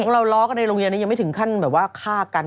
เราล้อกันในโรงเรียนนี้ยังไม่ถึงขั้นแบบว่าฆ่ากัน